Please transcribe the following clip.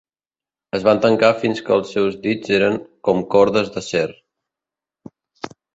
Es van tancar fins que els seus dits eren com cordes d'acer.